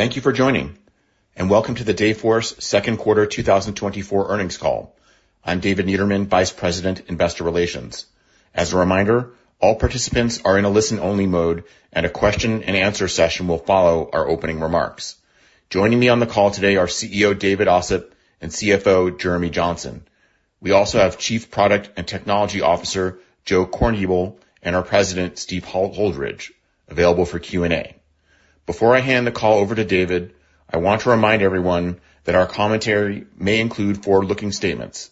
Thank you for joining, and welcome to the Dayforce Second Quarter 2024 earnings call. I'm David Niederman, Vice President, Investor Relations. As a reminder, all participants are in a listen-only mode, and a question-and-answer session will follow our opening remarks. Joining me on the call today are CEO David Ossip and CFO Jeremy Johnson. We also have Chief Product and Technology Officer Joe Korngiebel and our President, Steve Holdridge, available for Q&A. Before I hand the call over to David, I want to remind everyone that our commentary may include forward-looking statements.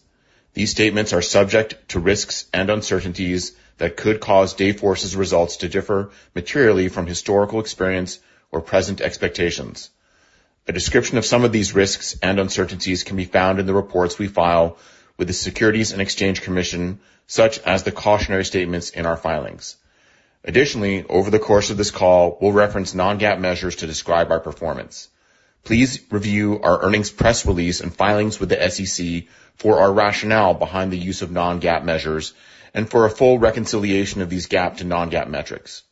These statements are subject to risks and uncertainties that could cause Dayforce's results to differ materially from historical experience or present expectations. A description of some of these risks and uncertainties can be found in the reports we file with the Securities and Exchange Commission, such as the cautionary statements in our filings. Additionally, over the course of this call, we'll reference non-GAAP measures to describe our performance. Please review our earnings press release and filings with the SEC for our rationale behind the use of non-GAAP measures and for a full reconciliation of these GAAP to non-GAAP metrics.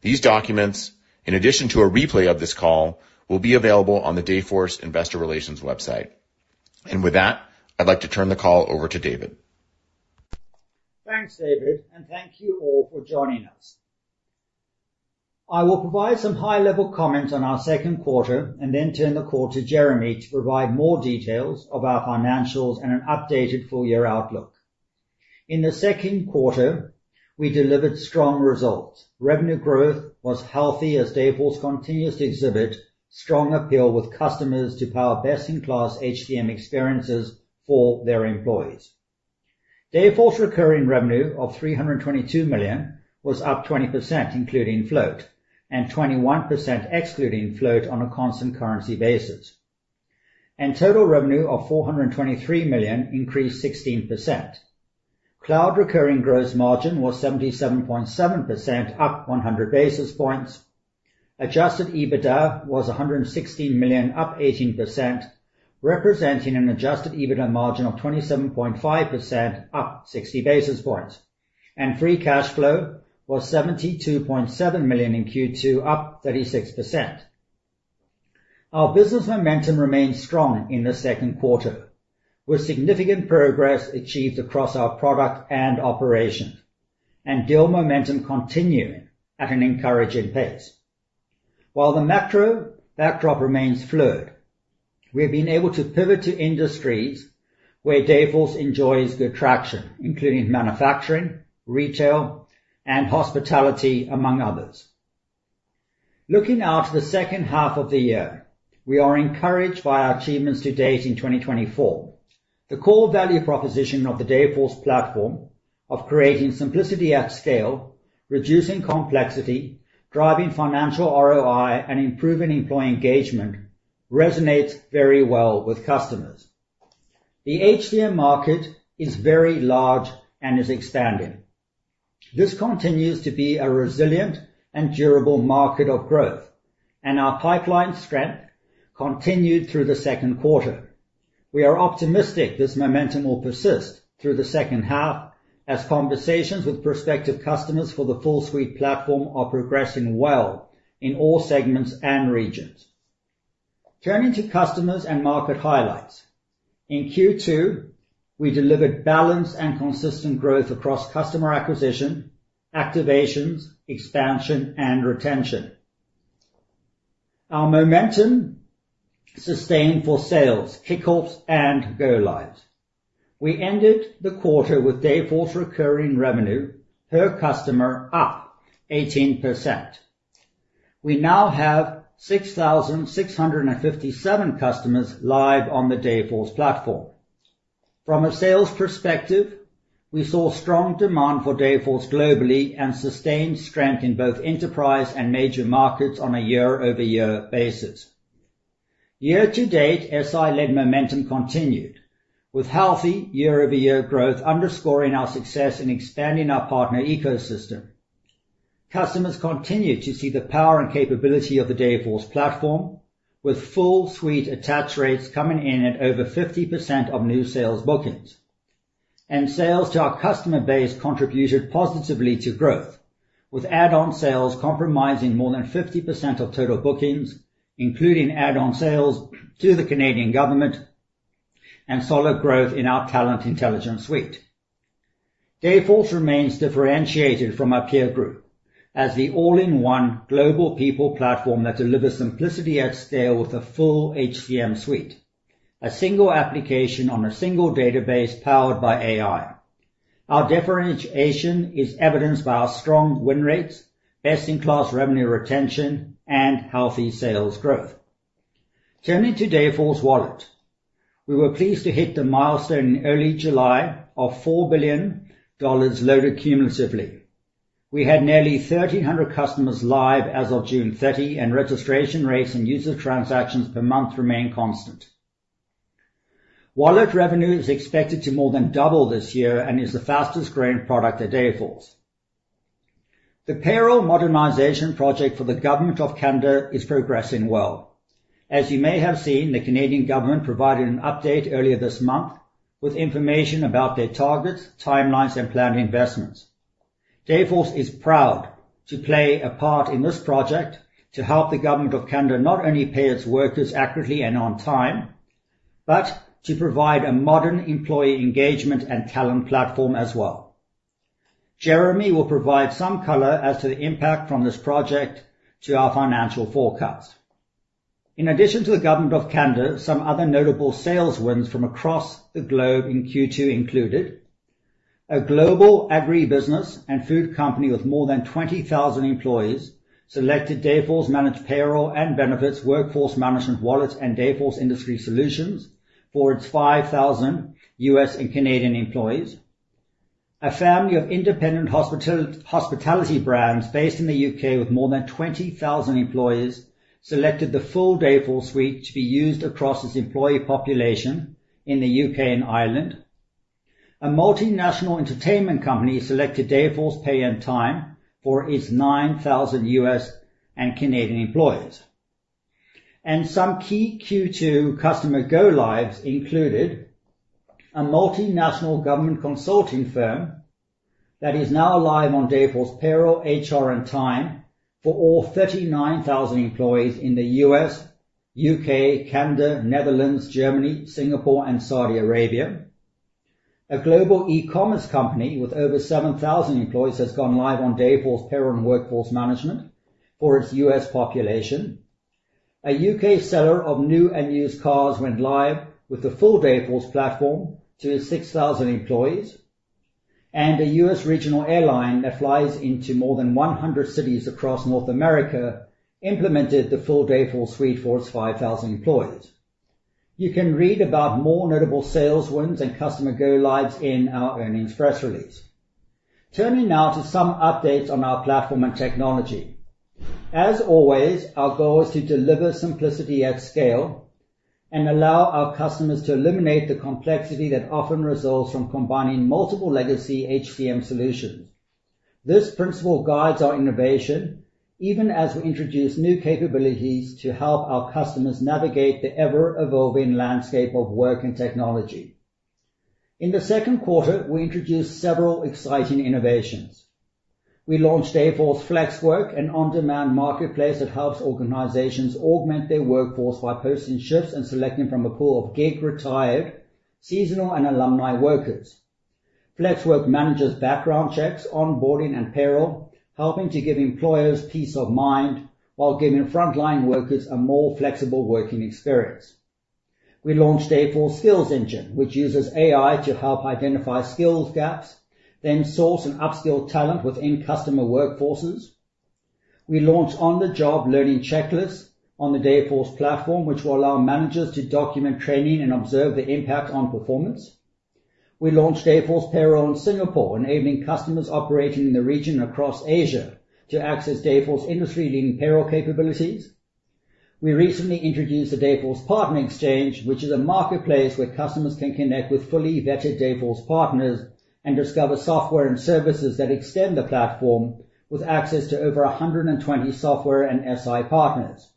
These documents, in addition to a replay of this call, will be available on the Dayforce Investor Relations website. With that, I'd like to turn the call over to David. Thanks, David, and thank you all for joining us. I will provide some high-level comments on our second quarter and then turn the call to Jeremy to provide more details of our financials and an updated full-year outlook. In the second quarter, we delivered strong results. Revenue growth was healthy as Dayforce continues to exhibit strong appeal with customers to power best-in-class HCM experiences for their employees. Dayforce recurring revenue of $322 million was up 20%, including float, and 21%, excluding float, on a constant currency basis. Total revenue of $423 million increased 16%. Cloud recurring gross margin was 77.7%, up 100 basis points. Adjusted EBITDA was $116 million, up 18%, representing an adjusted EBITDA margin of 27.5%, up 60 basis points. Free cash flow was $72.7 million in Q2, up 36%. Our business momentum remained strong in the second quarter, with significant progress achieved across our product and operations, and deal momentum continuing at an encouraging pace. While the macro backdrop remains fluid, we have been able to pivot to industries where Dayforce enjoys good traction, including manufacturing, retail, and hospitality, among others. Looking out to the second half of the year, we are encouraged by our achievements to date in 2024. The core value proposition of the Dayforce platform of creating simplicity at scale, reducing complexity, driving financial ROI, and improving employee engagement resonates very well with customers. The HCM market is very large and is expanding. This continues to be a resilient and durable market of growth, and our pipeline strength continued through the second quarter. We are optimistic this momentum will persist through the second half as conversations with prospective customers for the full-suite platform are progressing well in all segments and regions. Turning to customers and market highlights, in Q2, we delivered balanced and consistent growth across customer acquisition, activations, expansion, and retention. Our momentum sustained for sales, kickoffs, and go-lives. We ended the quarter with Dayforce recurring revenue per customer up 18%. We now have 6,657 customers live on the Dayforce platform. From a sales perspective, we saw strong demand for Dayforce globally and sustained strength in both enterprise and major markets on a year-over-year basis. Year-to-date SI-led momentum continued, with healthy year-over-year growth underscoring our success in expanding our partner ecosystem. Customers continue to see the power and capability of the Dayforce platform, with full-suite attach rates coming in at over 50% of new sales bookings. Sales to our customer base contributed positively to growth, with add-on sales comprising more than 50% of total bookings, including add-on sales to the Canadian government and solid growth in our Talent Intelligence Suite. Dayforce remains differentiated from our peer group as the all-in-one global people platform that delivers simplicity at scale with a full HCM suite, a single application on a single database powered by AI. Our differentiation is evidenced by our strong win rates, best-in-class revenue retention, and healthy sales growth. Turning to Dayforce Wallet, we were pleased to hit the milestone in early July of $4 billion loaded cumulatively. We had nearly 1,300 customers live as of June 30, and registration rates and user transactions per month remain constant. Wallet revenue is expected to more than double this year and is the fastest-growing product at Dayforce. The payroll modernization project for the Government of Canada is progressing well. As you may have seen, the Canadian government provided an update earlier this month with information about their targets, timelines, and planned investments. Dayforce is proud to play a part in this project to help the Government of Canada not only pay its workers accurately and on time, but to provide a modern employee engagement and talent platform as well. Jeremy will provide some color as to the impact from this project to our financial forecast. In addition to the Government of Canada, some other notable sales wins from across the globe in Q2 included a global agribusiness and food company with more than 20,000 employees selected Dayforce Managed Payroll and Benefits Workforce Management Wallet and Dayforce Industry Solutions for its 5,000 U.S. and Canadian employees. A family of independent hospitality brands based in the U.K. with more than 20,000 employees selected the full Dayforce suite to be used across its employee population in the U.K. and Ireland. A multinational entertainment company selected Dayforce Pay and Time for its 9,000 U.S. and Canadian employees. Some key Q2 customer go-lives included a multinational government consulting firm that is now live on Dayforce Payroll, HR, and Time for all 39,000 employees in the U.S., U.K., Canada, Netherlands, Germany, Singapore, and Saudi Arabia. A global e-commerce company with over 7,000 employees has gone live on Dayforce Payroll and Workforce Management for its U.S. population. A U.K. seller of new and used cars went live with the full Dayforce platform to its 6,000 employees. A U.S. regional airline that flies into more than 100 cities across North America implemented the full Dayforce suite for its 5,000 employees. You can read about more notable sales wins and customer go-lives in our earnings press release. Turning now to some updates on our platform and technology. As always, our goal is to deliver simplicity at scale and allow our customers to eliminate the complexity that often results from combining multiple legacy HCM solutions. This principle guides our innovation even as we introduce new capabilities to help our customers navigate the ever-evolving landscape of work and technology. In the second quarter, we introduced several exciting innovations. We launched Dayforce Flex Work, an on-demand marketplace that helps organizations augment their workforce by posting shifts and selecting from a pool of gig, retired, seasonal, and alumni workers. Flex Work manages background checks, onboarding, and payroll, helping to give employers peace of mind while giving frontline workers a more flexible working experience. We launched Dayforce Skills Engine, which uses AI to help identify skills gaps, then source and upskill talent within customer workforces. We launched on-the-job learning checklists on the Dayforce platform, which will allow managers to document training and observe the impact on performance. We launched Dayforce Payroll in Singapore, enabling customers operating in the region and across Asia to access Dayforce industry-leading payroll capabilities. We recently introduced the Dayforce Partner Exchange, which is a marketplace where customers can connect with fully vetted Dayforce partners and discover software and services that extend the platform with access to over 120 software and SI partners.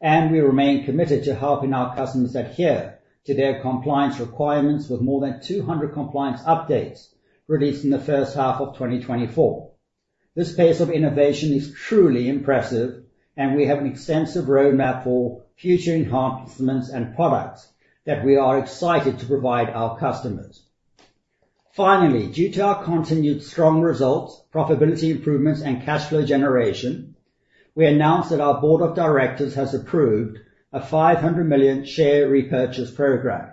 We remain committed to helping our customers adhere to their compliance requirements with more than 200 compliance updates released in the first half of 2024. This pace of innovation is truly impressive, and we have an extensive roadmap for future enhancements and products that we are excited to provide our customers. Finally, due to our continued strong results, profitability improvements, and cash flow generation, we announced that our Board of Directors has approved a $500 million share repurchase program.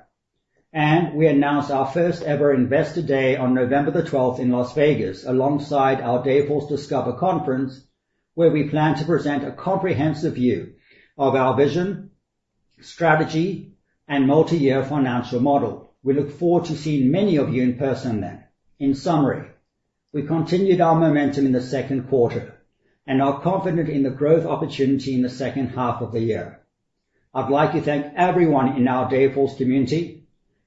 We announced our first-ever investor day on November the 12th in Las Vegas alongside our Dayforce Discover conference, where we plan to present a comprehensive view of our vision, strategy, and multi-year financial model. We look forward to seeing many of you in person then. In summary, we continued our momentum in the second quarter and are confident in the growth opportunity in the second half of the year. I'd like to thank everyone in our Dayforce community,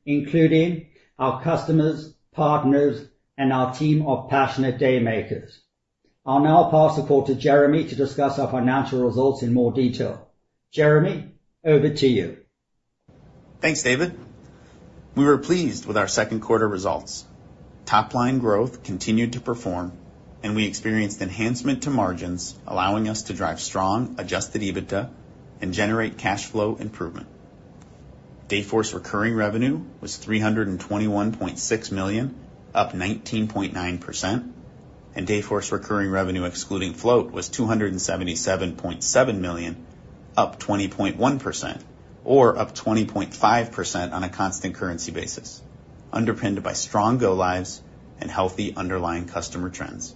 including our customers, partners, and our team of passionate Daymakers. I'll now pass the call to Jeremy to discuss our financial results in more detail. Jeremy, over to you. Thanks, David. We were pleased with our second quarter results. Top-line growth continued to perform, and we experienced enhancement to margins, allowing us to drive strong Adjusted EBITDA and generate cash flow improvement. Dayforce recurring revenue was $321.6 million, up 19.9%, and Dayforce recurring revenue excluding float was $277.7 million, up 20.1%, or up 20.5% on a constant currency basis, underpinned by strong go-lives and healthy underlying customer trends.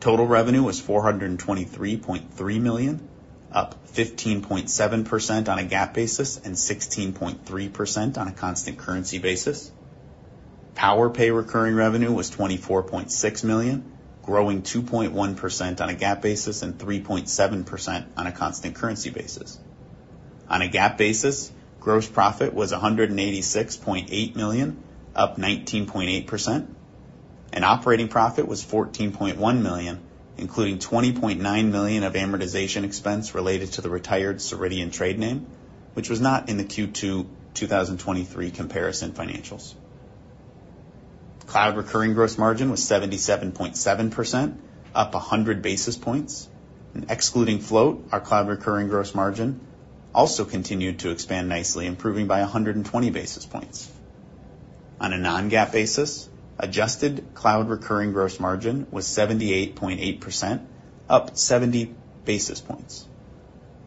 Total revenue was $423.3 million, up 15.7% on a GAAP basis and 16.3% on a constant currency basis. Powerpay recurring revenue was $24.6 million, growing 2.1% on a GAAP basis and 3.7% on a constant currency basis. On a GAAP basis, gross profit was $186.8 million, up 19.8%, and operating profit was $14.1 million, including $20.9 million of amortization expense related to the retired Ceridian trade name, which was not in the Q2 2023 comparison financials. Cloud recurring gross margin was 77.7%, up 100 basis points. Excluding float, our cloud recurring gross margin also continued to expand nicely, improving by 120 basis points. On a non-GAAP basis, adjusted cloud recurring gross margin was 78.8%, up 70 basis points.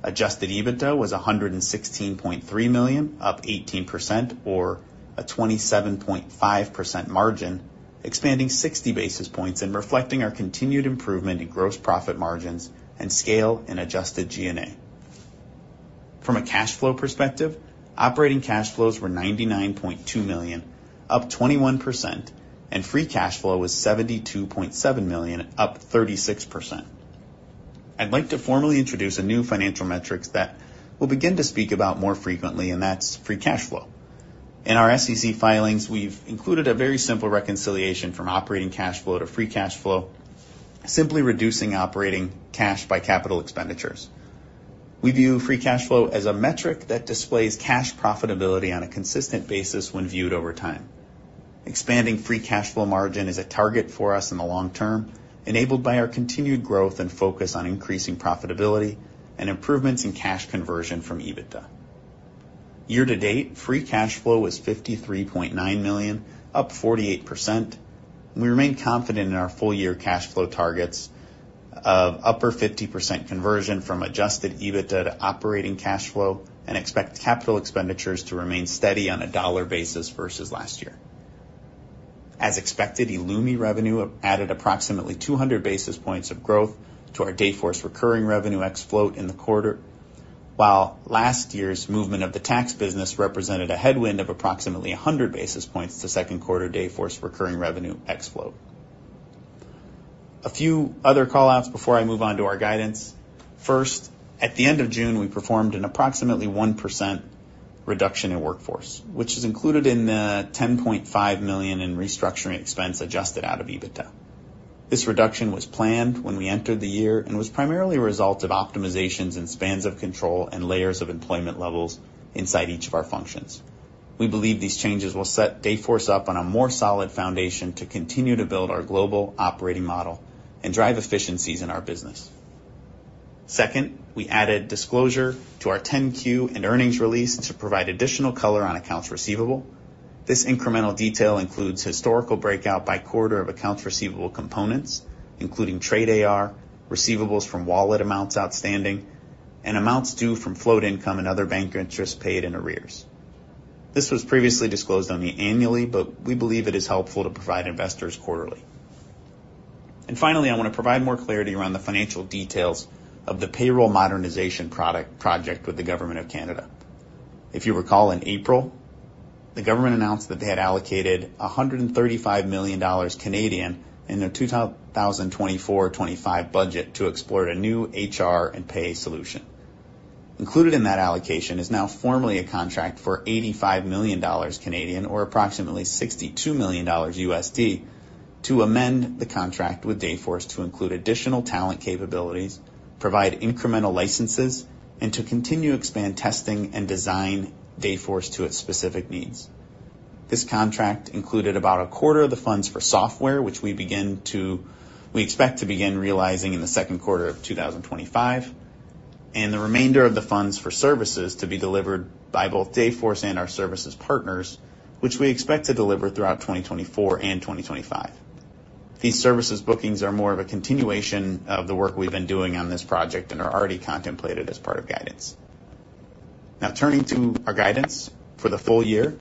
Adjusted EBITDA was $116.3 million, up 18%, or a 27.5% margin, expanding 60 basis points and reflecting our continued improvement in gross profit margins and scale in adjusted G&A. From a cash flow perspective, operating cash flows were $99.2 million, up 21%, and free cash flow was $72.7 million, up 36%. I'd like to formally introduce a new financial metric that we'll begin to speak about more frequently, and that's free cash flow. In our SEC filings, we've included a very simple reconciliation from operating cash flow to free cash flow, simply reducing operating cash by capital expenditures. We view free cash flow as a metric that displays cash profitability on a consistent basis when viewed over time. Expanding free cash flow margin is a target for us in the long term, enabled by our continued growth and focus on increasing profitability and improvements in cash conversion from EBITDA. Year-to-date, free cash flow was $53.9 million, up 48%. We remain confident in our full-year cash flow targets of upper 50% conversion from adjusted EBITDA to operating cash flow and expect capital expenditures to remain steady on a dollar basis versus last year. As expected, eloomi revenue added approximately 200 basis points of growth to our Dayforce recurring revenue ex float in the quarter, while last year's movement of the tax business represented a headwind of approximately 100 basis points to second quarter Dayforce recurring revenue ex float. A few other callouts before I move on to our guidance. First, at the end of June, we performed an approximately 1% reduction in workforce, which is included in the $10.5 million in restructuring expense adjusted out of EBITDA. This reduction was planned when we entered the year and was primarily a result of optimizations in spans of control and layers of employment levels inside each of our functions. We believe these changes will set Dayforce up on a more solid foundation to continue to build our global operating model and drive efficiencies in our business. Second, we added disclosure to our 10-Q and earnings release to provide additional color on accounts receivable. This incremental detail includes historical breakout by quarter of accounts receivable components, including trade AR, receivables from wallet amounts outstanding, and amounts due from float income and other bank interest paid in arrears. This was previously disclosed only annually, but we believe it is helpful to provide investors quarterly. And finally, I want to provide more clarity around the financial details of the payroll modernization project with the Government of Canada. If you recall, in April, the government announced that they had allocated 135 million Canadian dollars in their 2024-25 budget to explore a new HR and pay solution. Included in that allocation is now formally a contract for 85 million Canadian dollars, or approximately $62 million, to amend the contract with Dayforce to include additional talent capabilities, provide incremental licenses, and to continue to expand testing and design Dayforce to its specific needs. This contract included about a quarter of the funds for software, which we expect to begin realizing in the second quarter of 2025, and the remainder of the funds for services to be delivered by both Dayforce and our services partners, which we expect to deliver throughout 2024 and 2025. These services bookings are more of a continuation of the work we've been doing on this project and are already contemplated as part of guidance. Now, turning to our guidance for the full year,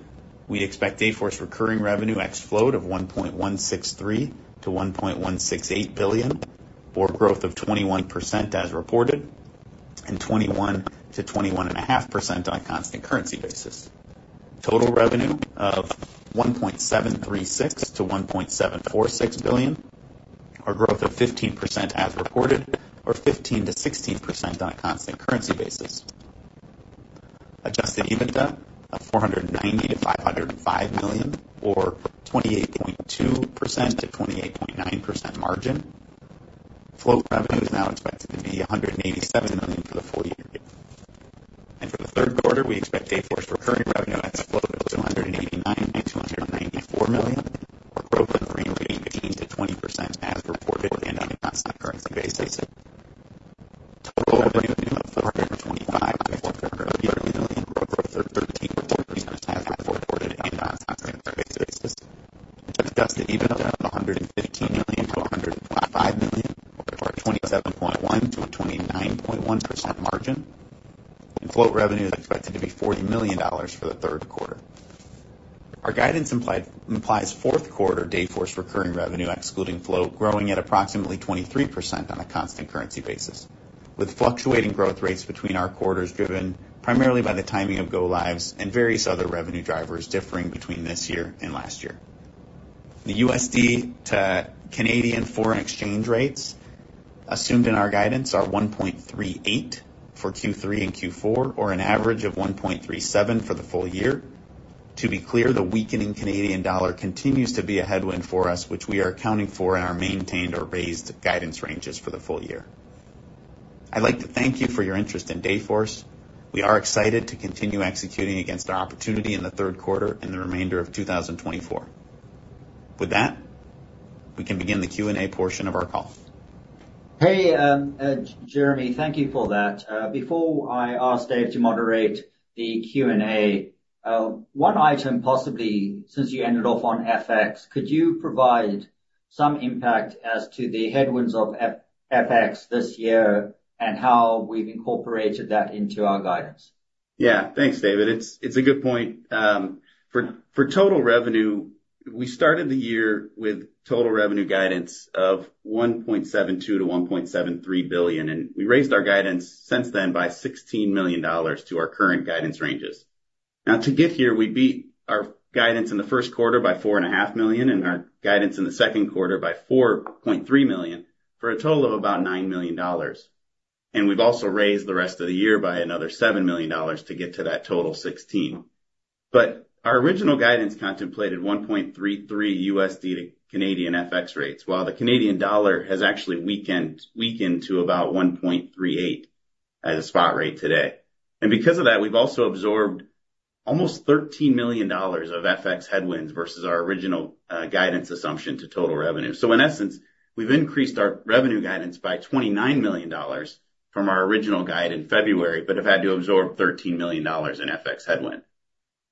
we expect Dayforce recurring revenue ex float of $1.163-$1.168 billion, or growth of 21% as reported, and 21%-21.5% on a constant currency basis. Total revenue of $1.736-$1.746 billion, or growth of 15% as reported, or 15%-16% on a constant currency basis. Adjusted EBITDA of $490-$505 million, or 28.2%-28.9% margin. Float revenue is now expected to be $187 million for the full year. For the third quarter, we expect Dayforce recurring revenue ex float of $289-$294 million, or growth of 18% to 20% as reported and on a constant currency basis. Total revenue of $425-$430 million, or growth of 13.4% as reported and on a constant currency basis. Adjusted EBITDA of $105-$115 million, or a 27.1%-29.1% margin. Float revenue is expected to be $40 million for the third quarter. Our guidance implies fourth quarter Dayforce recurring revenue excluding float growing at approximately 23% on a constant currency basis, with fluctuating growth rates between our quarters driven primarily by the timing of go-lives and various other revenue drivers differing between this year and last year. The USD to Canadian foreign exchange rates assumed in our guidance are 1.38 for Q3 and Q4, or an average of 1.37 for the full year. To be clear, the weakening Canadian dollar continues to be a headwind for us, which we are accounting for in our maintained or raised guidance ranges for the full year. I'd like to thank you for your interest in Dayforce. We are excited to continue executing against our opportunity in the third quarter and the remainder of 2024. With that, we can begin the Q&A portion of our call. Hey, Jeremy, thank you for that. Before I ask Dave to moderate the Q&A, one item possibly, since you ended off on FX, could you provide some impact as to the headwinds of FX this year and how we've incorporated that into our guidance? Yeah, thanks, David. It's a good point. For total revenue, we started the year with total revenue guidance of $1.72-$1.73 billion, and we raised our guidance since then by $16 million to our current guidance ranges. Now, to get here, we beat our guidance in the first quarter by $4.5 million and our guidance in the second quarter by $4.3 million for a total of about $9 million. And we've also raised the rest of the year by another $7 million to get to that total of $16 million. But our original guidance contemplated $1.33 USD to Canadian FX rates, while the Canadian dollar has actually weakened to about $1.38 as a spot rate today. And because of that, we've also absorbed almost $13 million of FX headwinds versus our original guidance assumption to total revenue. So, in essence, we've increased our revenue guidance by $29 million from our original guide in February, but have had to absorb $13 million in FX headwind.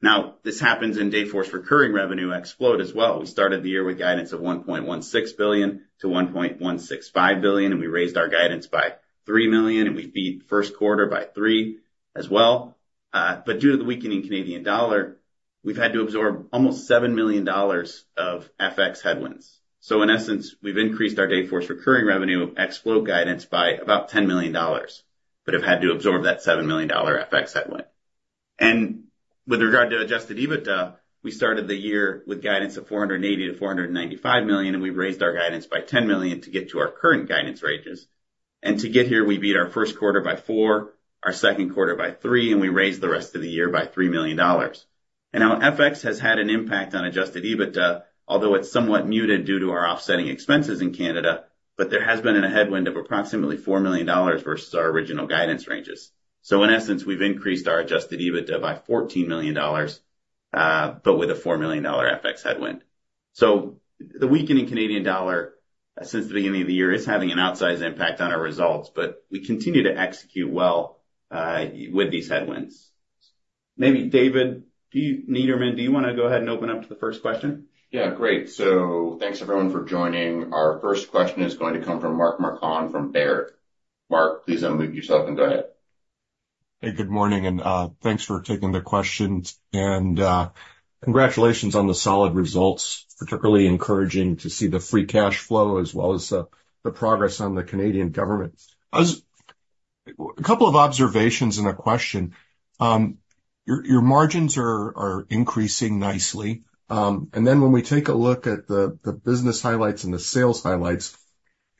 Now, this happens in Dayforce recurring revenue ex float as well. We started the year with guidance of $1.16 billion-$1.165 billion, and we raised our guidance by $3 million, and we beat first quarter by $3 as well. But due to the weakening Canadian dollar, we've had to absorb almost $7 million of FX headwinds. So, in essence, we've increased our Dayforce recurring revenue ex float guidance by about $10 million, but have had to absorb that $7 million FX headwind. And with regard to Adjusted EBITDA, we started the year with guidance of $480 million-$495 million, and we raised our guidance by $10 million to get to our current guidance ranges. And to get here, we beat our first quarter by $4, our second quarter by $3, and we raised the rest of the year by $3 million. And now FX has had an impact on adjusted EBITDA, although it's somewhat muted due to our offsetting expenses in Canada, but there has been a headwind of approximately $4 million versus our original guidance ranges. So, in essence, we've increased our adjusted EBITDA by $14 million, but with a $4 million FX headwind. So, the weakening Canadian dollar since the beginning of the year is having an outsized impact on our results, but we continue to execute well with these headwinds. Maybe David, do you Niederman, do you want to go ahead and open up to the first question? Yeah, great. So, thanks everyone for joining. Our first question is going to come from Mark Marcon from Baird. Mark, please unmute yourself and go ahead. Hey, good morning, and thanks for taking the question. Congratulations on the solid results. Particularly encouraging to see the Free Cash Flow as well as the progress on the Canadian government. A couple of observations and a question. Your margins are increasing nicely. Then when we take a look at the business highlights and the sales highlights,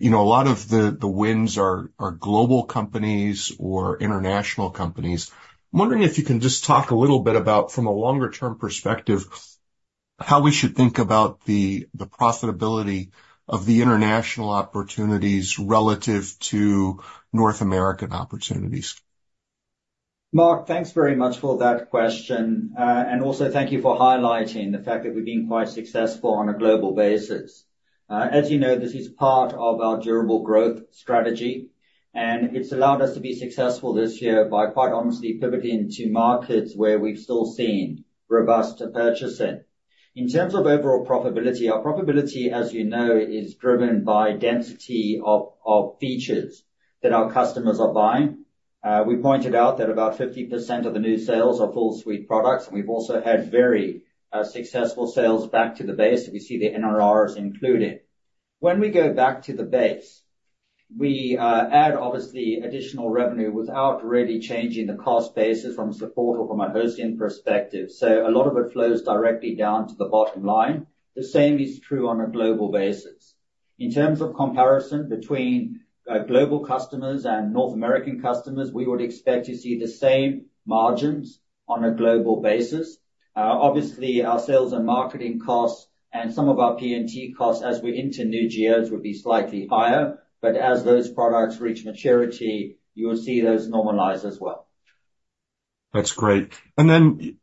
a lot of the wins are global companies or international companies. I'm wondering if you can just talk a little bit about, from a longer-term perspective, how we should think about the profitability of the international opportunities relative to North American opportunities. Mark, thanks very much for that question. And also, thank you for highlighting the fact that we've been quite successful on a global basis. As you know, this is part of our durable growth strategy, and it's allowed us to be successful this year by quite honestly pivoting to markets where we've still seen robust purchasing. In terms of overall profitability, our profitability, as you know, is driven by density of features that our customers are buying. We pointed out that about 50% of the new sales are full-suite products, and we've also had very successful sales back to the base. We see the NRRs included. When we go back to the base, we add obviously additional revenue without really changing the cost basis from support or from a hosting perspective. So, a lot of it flows directly down to the bottom line. The same is true on a global basis. In terms of comparison between global customers and North American customers, we would expect to see the same margins on a global basis. Obviously, our sales and marketing costs and some of our P&T costs as we enter new geos would be slightly higher, but as those products reach maturity, you will see those normalize as well. That's great. And then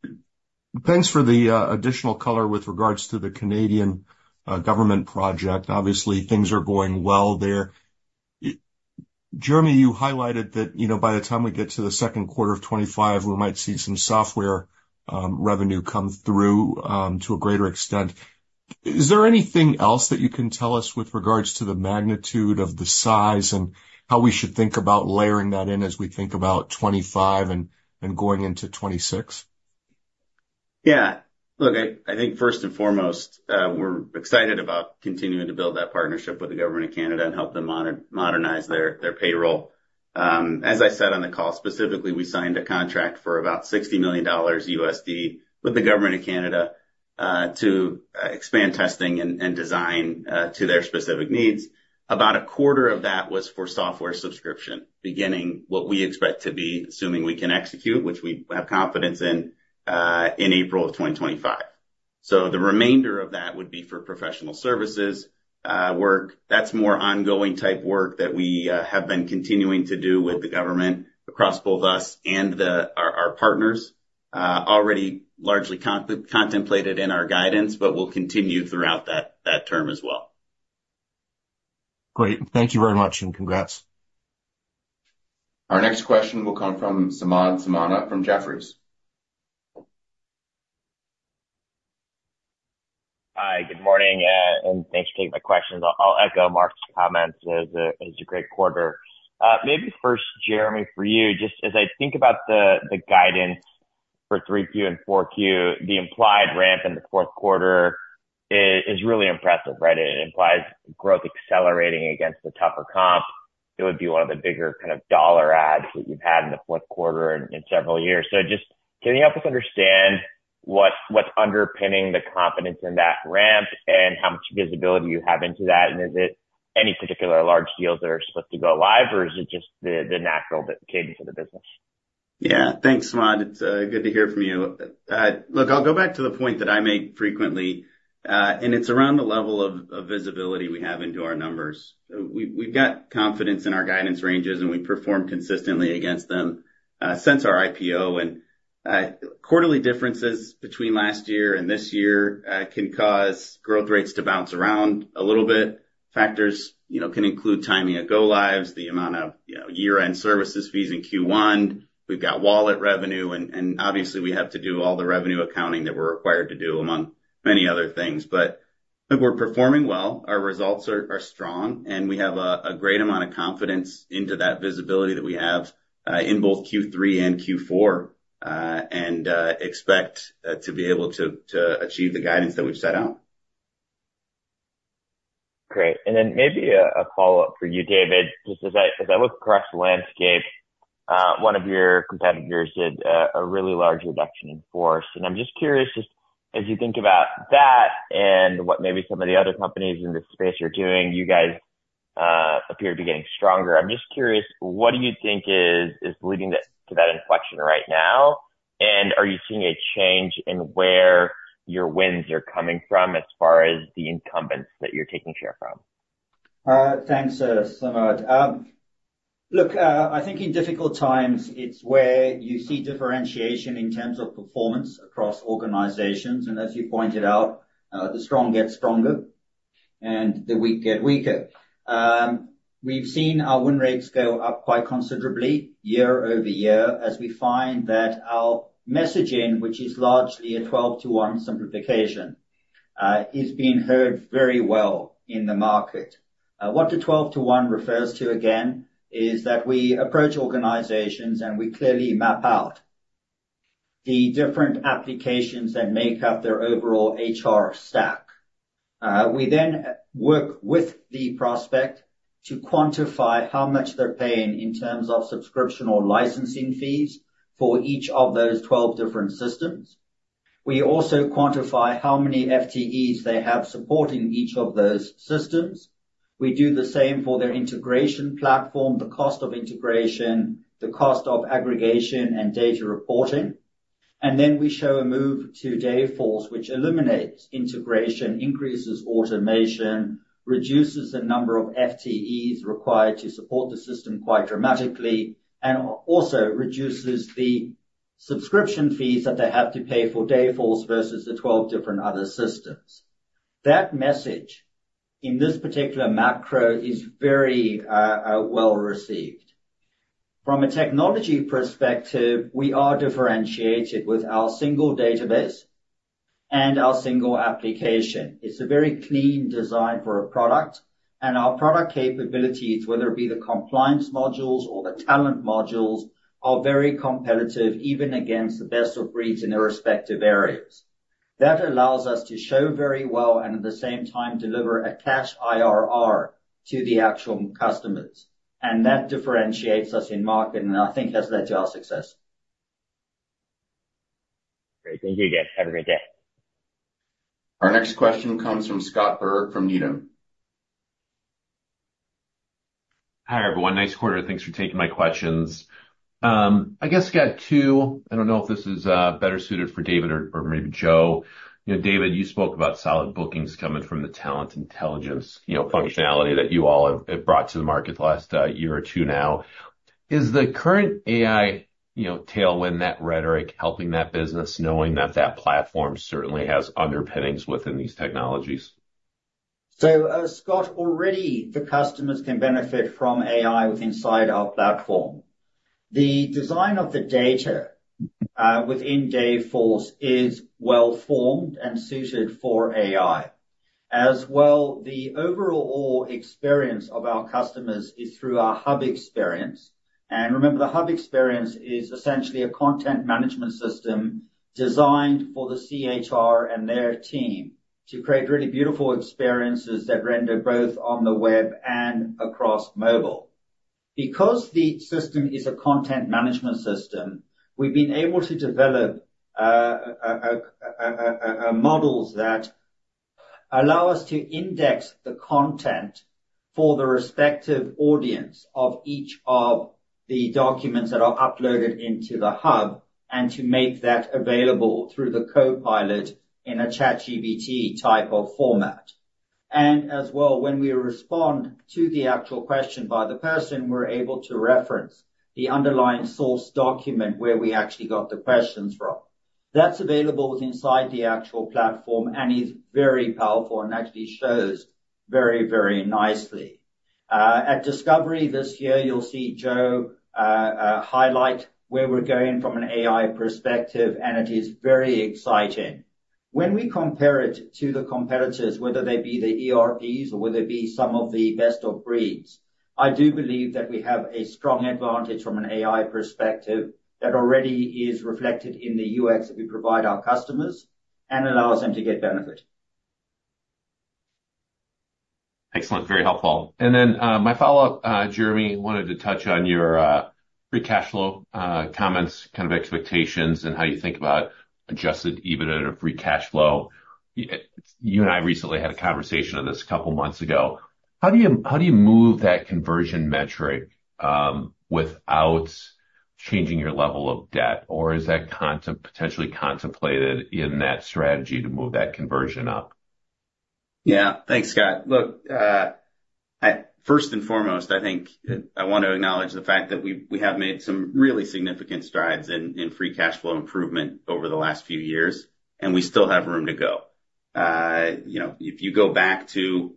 thanks for the additional color with regards to the Canadian government project. Obviously, things are going well there. Jeremy, you highlighted that by the time we get to the second quarter of 2025, we might see some software revenue come through to a greater extent. Is there anything else that you can tell us with regards to the magnitude of the size and how we should think about layering that in as we think about 2025 and going into 2026? Yeah. Look, I think first and foremost, we're excited about continuing to build that partnership with the Government of Canada and help them modernize their payroll. As I said on the call, specifically, we signed a contract for about $60 million with the Government of Canada to expand testing and design to their specific needs. About a quarter of that was for software subscription, beginning what we expect to be assuming we can execute, which we have confidence in in April of 2025. So, the remainder of that would be for professional services work. That's more ongoing type work that we have been continuing to do with the government across both us and our partners, already largely contemplated in our guidance, but will continue throughout that term as well. Great. Thank you very much and congrats. Our next question will come from Samad Samana from Jefferies. Hi, good morning, and thanks for taking my questions. I'll echo Mark's comments as a great quarter. Maybe first, Jeremy, for you, just as I think about the guidance for 3Q and 4Q, the implied ramp in the fourth quarter is really impressive, right? It implies growth accelerating against the tougher comp. It would be one of the bigger kind of dollar adds that you've had in the fourth quarter in several years. So, just can you help us understand what's underpinning the confidence in that ramp and how much visibility you have into that? And is it any particular large deals that are supposed to go live, or is it just the natural cadence of the business? Yeah, thanks, Samad. It's good to hear from you. Look, I'll go back to the point that I make frequently, and it's around the level of visibility we have into our numbers. We've got confidence in our guidance ranges, and we've performed consistently against them since our IPO. Quarterly differences between last year and this year can cause growth rates to bounce around a little bit. Factors can include timing of go-lives, the amount of year-end services fees in Q1. We've got wallet revenue, and obviously, we have to do all the revenue accounting that we're required to do, among many other things. But we're performing well. Our results are strong, and we have a great amount of confidence into that visibility that we have in both Q3 and Q4, and expect to be able to achieve the guidance that we've set out. Great. Maybe a follow-up for you, David. Just as I look across the landscape, one of your competitors did a really large reduction in force. I'm just curious, just as you think about that and what maybe some of the other companies in this space are doing, you guys appear to be getting stronger. I'm just curious, what do you think is leading to that inflection right now? And are you seeing a change in where your wins are coming from as far as the incumbents that you're taking share from? Thanks, Samad. Look, I think in difficult times, it's where you see differentiation in terms of performance across organizations. And as you pointed out, the strong get stronger and the weak get weaker. We've seen our win rates go up quite considerably year-over-year as we find that our messaging, which is largely a 12-to-1 simplification, is being heard very well in the market. What the 12-to-1 refers to, again, is that we approach organizations and we clearly map out the different applications that make up their overall HR stack. We then work with the prospect to quantify how much they're paying in terms of subscription or licensing fees for each of those 12 different systems. We also quantify how many FTEs they have supporting each of those systems. We do the same for their integration platform, the cost of integration, the cost of aggregation and data reporting. And then we show a move to Dayforce, which eliminates integration, increases automation, reduces the number of FTEs required to support the system quite dramatically, and also reduces the subscription fees that they have to pay for Dayforce versus the 12 different other systems. That message in this particular macro is very well received. From a technology perspective, we are differentiated with our single database and our single application. It's a very clean design for a product, and our product capabilities, whether it be the compliance modules or the talent modules, are very competitive even against the best of breeds in their respective areas. That allows us to show very well and at the same time deliver a cash IRR to the actual customers. That differentiates us in market, and I think has led to our success. Great. Thank you again. Have a great day. Our next question comes from Scott Berg from Needham. Hi everyone. Nice quarter. Thanks for taking my questions. I guess I got two. I don't know if this is better suited for David or maybe Joe. David, you spoke about solid bookings coming from the talent intelligence functionality that you all have brought to the market the last year or two now. Is the current AI tailwind that rhetoric helping that business, knowing that that platform certainly has underpinnings within these technologies? So Scott, already the customers can benefit from AI with inside our platform. The design of the data within Dayforce is well-formed and suited for AI. As well, the overall experience of our customers is through our hub experience. And remember, the hub experience is essentially a content management system designed for the CHRO and their team to create really beautiful experiences that render both on the web and across mobile. Because the system is a content management system, we've been able to develop models that allow us to index the content for the respective audience of each of the documents that are uploaded into the hub and to make that available through the Copilot in a ChatGPT type of format. And as well, when we respond to the actual question by the person, we're able to reference the underlying source document where we actually got the questions from. That's available inside the actual platform and is very powerful and actually shows very, very nicely. At Discover this year, you'll see Joe highlight where we're going from an AI perspective, and it is very exciting. When we compare it to the competitors, whether they be the ERPs or whether they be some of the best of breeds, I do believe that we have a strong advantage from an AI perspective that already is reflected in the UX that we provide our customers and allows them to get benefit. Excellent. Very helpful. And then my follow-up, Jeremy, wanted to touch on your free cash flow comments, kind of expectations and how you think about adjusted EBITDA to free cash flow. You and I recently had a conversation on this a couple of months ago. How do you move that conversion metric without changing your level of debt, or is that potentially contemplated in that strategy to move that conversion up? Yeah. Thanks, Scott. Look, first and foremost, I think I want to acknowledge the fact that we have made some really significant strides in Free Cash Flow improvement over the last few years, and we still have room to go. If you go back to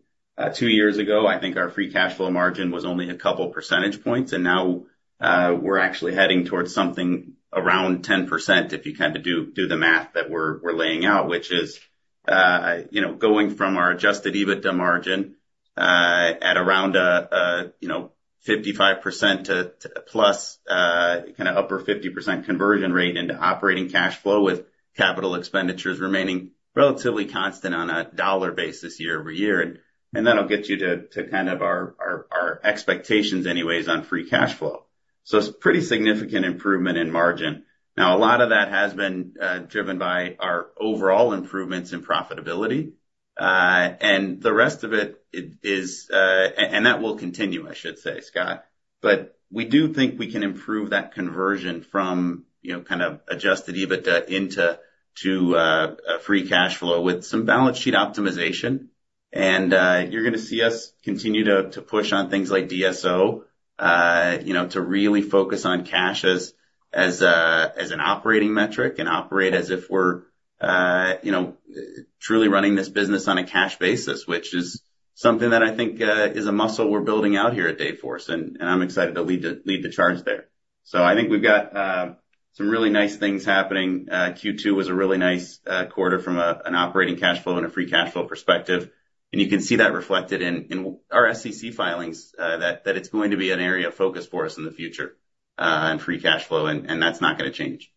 two years ago, I think our Free Cash Flow margin was only a couple percentage points, and now we're actually heading towards something around 10% if you kind of do the math that we're laying out, which is going from our Adjusted EBITDA margin at around 55% to plus kind of upper 50% conversion rate into operating cash flow with capital expenditures remaining relatively constant on a dollar base this year over year. And that'll get you to kind of our expectations anyways on Free Cash Flow. So it's a pretty significant improvement in margin. Now, a lot of that has been driven by our overall improvements in profitability. And the rest of it is, and that will continue, I should say, Scott, but we do think we can improve that conversion from kind of Adjusted EBITDA into free cash flow with some balance sheet optimization. And you're going to see us continue to push on things like DSO to really focus on cash as an operating metric and operate as if we're truly running this business on a cash basis, which is something that I think is a muscle we're building out here at Dayforce. And I'm excited to lead the charge there. So I think we've got some really nice things happening. Q2 was a really nice quarter from an operating cash flow and a free cash flow perspective. You can see that reflected in our SEC filings that it's going to be an area of focus for us in the future and free cash flow, and that's not going to change.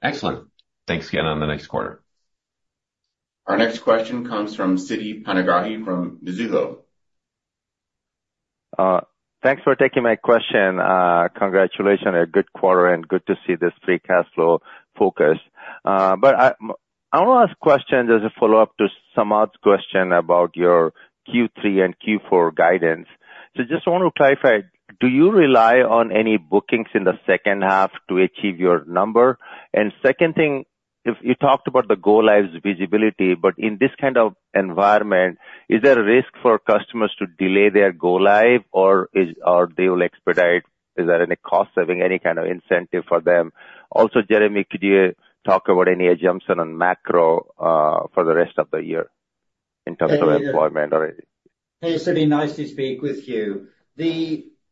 Excellent. Thanks again on the next quarter. Our next question comes from Siti Panigrahi from Mizuho. Thanks for taking my question. Congratulations. A good quarter and good to see this free cash flow focus. But I want to ask a question as a follow-up to Samad's question about your Q3 and Q4 guidance. So just want to clarify, do you rely on any bookings in the second half to achieve your number? And second thing, you talked about the go-lives visibility, but in this kind of environment, is there a risk for customers to delay their go-live or they will expedite? Is there any cost-saving, any kind of incentive for them? Also, Jeremy, could you talk about any assumption on macro for the rest of the year in terms of employment? Hey, Siti, nice to speak with you.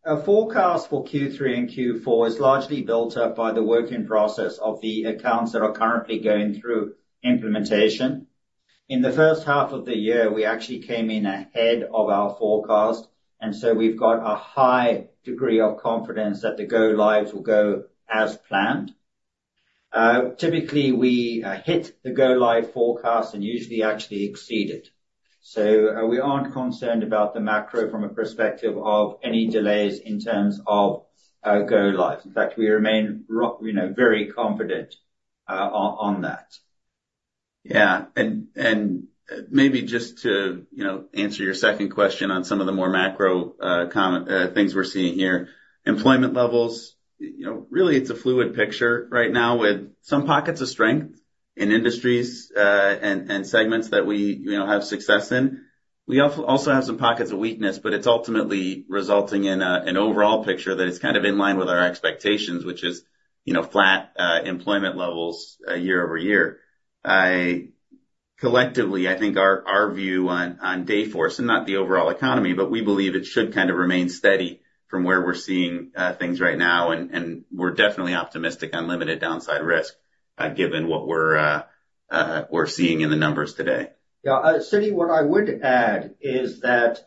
The forecast for Q3 and Q4 is largely built up by the work in process of the accounts that are currently going through implementation. In the first half of the year, we actually came in ahead of our forecast, and so we've got a high degree of confidence that the go-lives will go as planned. Typically, we hit the go-live forecast and usually actually exceed it. So we aren't concerned about the macro from a perspective of any delays in terms of go-lives. In fact, we remain very confident on that. Yeah. Maybe just to answer your second question on some of the more macro things we're seeing here, employment levels. Really, it's a fluid picture right now with some pockets of strength in industries and segments that we have success in. We also have some pockets of weakness, but it's ultimately resulting in an overall picture that is kind of in line with our expectations, which is flat employment levels year-over-year. Collectively, I think our view on Dayforce, and not the overall economy, but we believe it should kind of remain steady from where we're seeing things right now, and we're definitely optimistic on limited downside risk given what we're seeing in the numbers today. Yeah. Siti, what I would add is that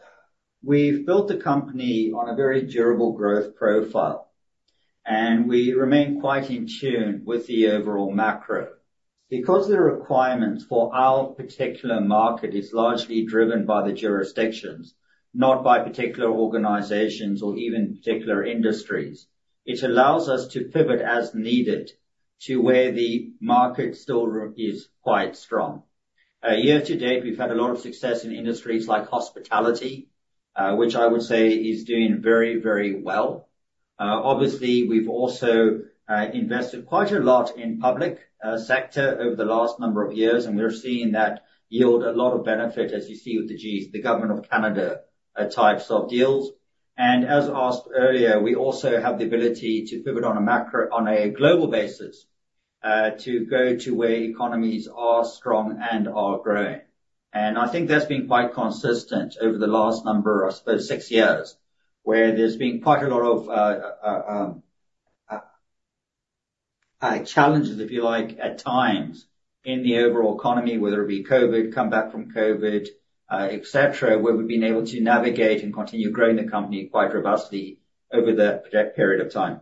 we've built the company on a very durable growth profile, and we remain quite in tune with the overall macro. Because the requirements for our particular market are largely driven by the jurisdictions, not by particular organizations or even particular industries, it allows us to pivot as needed to where the market still is quite strong. Year to date, we've had a lot of success in industries like hospitality, which I would say is doing very, very well. Obviously, we've also invested quite a lot in public sector over the last number of years, and we're seeing that yield a lot of benefit, as you see with the Government of Canada types of deals. And as asked earlier, we also have the ability to pivot on a macro on a global basis to go to where economies are strong and are growing. I think that's been quite consistent over the last number of, I suppose, six years, where there's been quite a lot of challenges, if you like, at times in the overall economy, whether it be COVID, come back from COVID, etc., where we've been able to navigate and continue growing the company quite robustly over that period of time.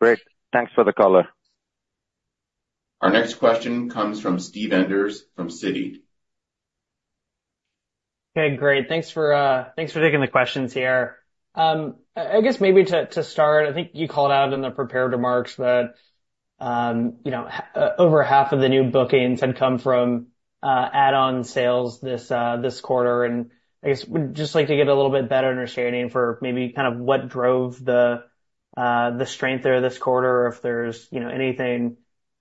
Great. Thanks for the color. Our next question comes from Steve Enders from Citi. Hey, great. Thanks for taking the questions here. I guess maybe to start, I think you called out in the prepared remarks that over half of the new bookings had come from add-on sales this quarter. I guess we'd just like to get a little bit better understanding for maybe kind of what drove the strength there this quarter, if there's anything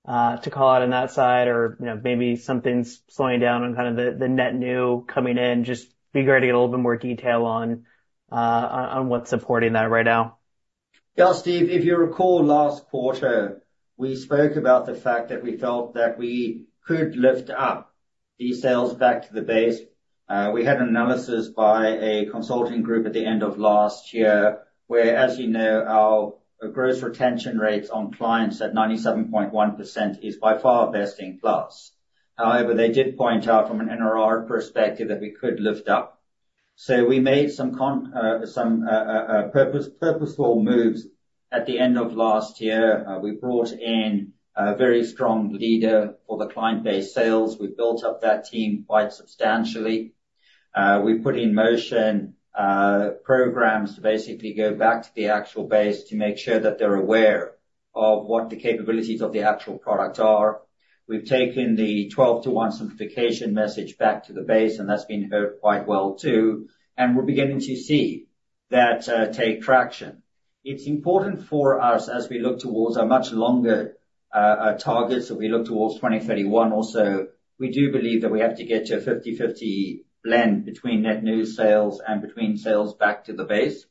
to call out on that side, or maybe something's slowing down on kind of the net new coming in. Just be great to get a little bit more detail on what's supporting that right now. Yeah. Steve, if you recall last quarter, we spoke about the fact that we felt that we could lift up the sales back to the base. We had an analysis by a consulting group at the end of last year where, as you know, our gross retention rates on clients at 97.1% is by far best in class. However, they did point out from an NRR perspective that we could lift up. So we made some purposeful moves at the end of last year. We brought in a very strong leader for the client base sales. We built up that team quite substantially. We put in motion programs to basically go back to the actual base to make sure that they're aware of what the capabilities of the actual product are. We've taken the 12-to-1 simplification message back to the base, and that's been heard quite well too. We're beginning to see that gain traction. It's important for us as we look towards our much longer targets that we look towards 2031 also, we do believe that we have to get to a 50/50 blend between net new sales and between sales back to the base.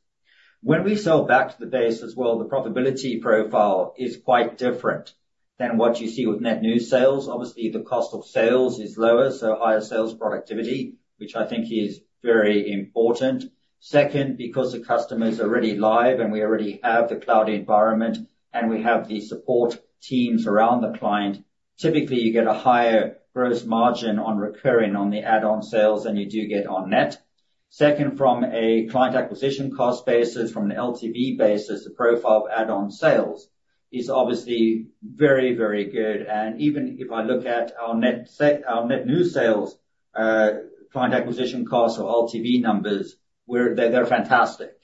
When we sell back to the base as well, the profitability profile is quite different than what you see with net new sales. Obviously, the cost of sales is lower, so higher sales productivity, which I think is very important. Second, because the customer is already live and we already have the cloud environment and we have the support teams around the client, typically you get a higher gross margin on recurring on the add-on sales than you do get on net. Second, from a client acquisition cost basis, from an LTV basis, the profile of add-on sales is obviously very, very good. And even if I look at our net new sales client acquisition costs or LTV numbers, they're fantastic.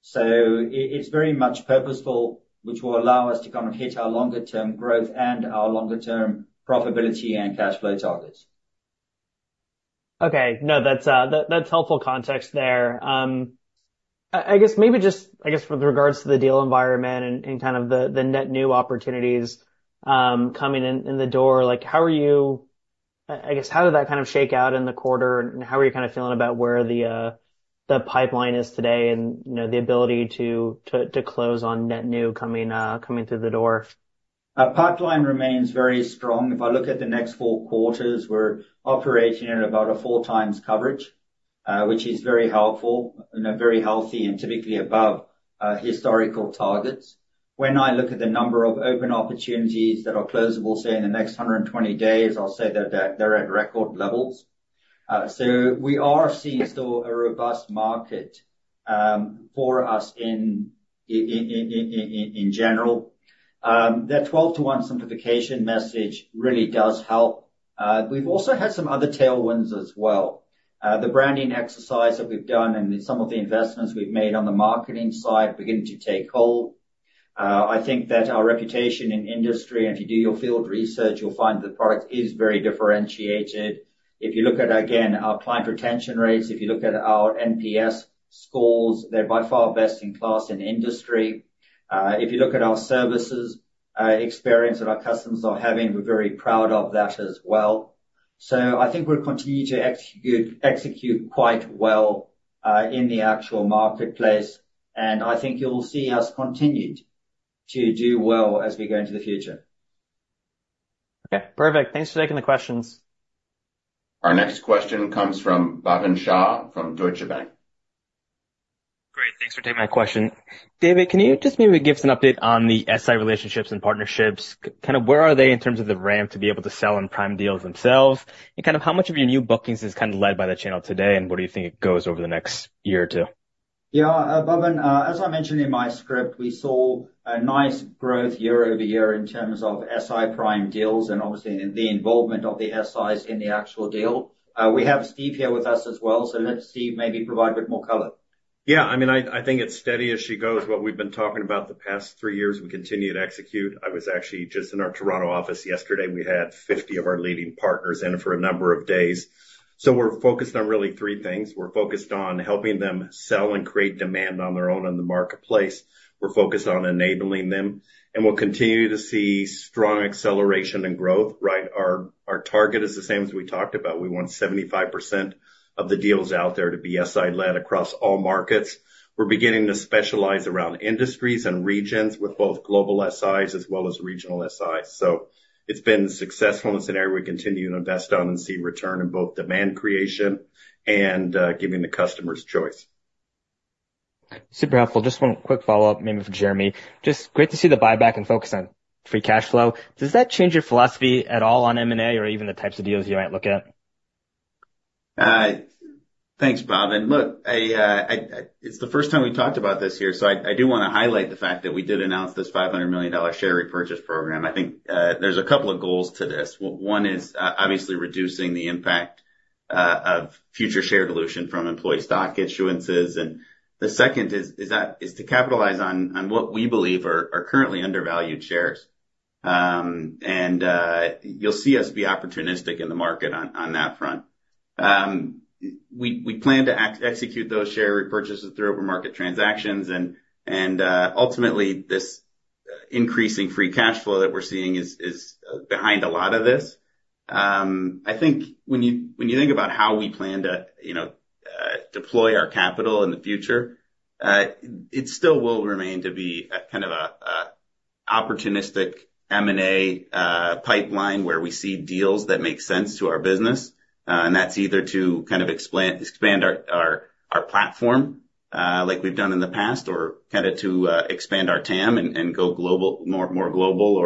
So it's very much purposeful, which will allow us to kind of hit our longer-term growth and our longer-term profitability and cash flow targets. Okay. No, that's helpful context there. I guess maybe just, I guess with regards to the deal environment and kind of the net new opportunities coming in the door, how are you I guess how did that kind of shake out in the quarter and how are you kind of feeling about where the pipeline is today and the ability to close on net new coming through the door? Pipeline remains very strong. If I look at the next four quarters, we're operating at about a 4x coverage, which is very helpful, very healthy, and typically above historical targets. When I look at the number of open opportunities that are closable, say in the next 120 days, I'll say that they're at record levels. So we are seeing still a robust market for us in general. That 12-to-1 simplification message really does help. We've also had some other tailwinds as well. The branding exercise that we've done and some of the investments we've made on the marketing side begin to take hold. I think that our reputation in industry, and if you do your field research, you'll find the product is very differentiated. If you look at, again, our client retention rates, if you look at our NPS scores, they're by far best in class in industry. If you look at our services experience that our customers are having, we're very proud of that as well. So I think we'll continue to execute quite well in the actual marketplace. And I think you'll see us continue to do well as we go into the future. Okay. Perfect. Thanks for taking the questions. Our next question comes from Bhavin Shah from Deutsche Bank. Great. Thanks for taking my question. David, can you just maybe give us an update on the SI relationships and partnerships? Kind of where are they in terms of the ramp to be able to sell on prime deals themselves? And kind of how much of your new bookings is kind of led by the channel today, and where do you think it goes over the next year or two? Yeah. Bhavin, as I mentioned in my script, we saw a nice growth year-over-year in terms of SI prime deals and obviously the involvement of the SIs in the actual deal. We have Steve here with us as well, so let Steve maybe provide a bit more color. Yeah. I mean, I think it's steady as she goes. What we've been talking about the past three years and continue to execute. I was actually just in our Toronto office yesterday. We had 50 of our leading partners in for a number of days. So we're focused on really three things. We're focused on helping them sell and create demand on their own in the marketplace. We're focused on enabling them. And we'll continue to see strong acceleration and growth. Right? Our target is the same as we talked about. We want 75% of the deals out there to be SI-led across all markets. We're beginning to specialize around industries and regions with both global SIs as well as regional SIs. So it's been successful in the scenario we continue to invest on and see return in both demand creation and giving the customers choice. Super helpful. Just one quick follow-up maybe from Jeremy. Just great to see the buyback and focus on Free Cash Flow. Does that change your philosophy at all on M&A or even the types of deals you might look at? Thanks, Bhavin. Look, it's the first time we've talked about this here, so I do want to highlight the fact that we did announce this $500 million share repurchase program. I think there's a couple of goals to this. One is obviously reducing the impact of future share dilution from employee stock issuances. And the second is to capitalize on what we believe are currently undervalued shares. And you'll see us be opportunistic in the market on that front. We plan to execute those share repurchases through open-market transactions. And ultimately, this increasing free cash flow that we're seeing is behind a lot of this. I think when you think about how we plan to deploy our capital in the future, it still will remain to be kind of an opportunistic M&A pipeline where we see deals that make sense to our business. That's either to kind of expand our platform like we've done in the past or kind of to expand our TAM and go more global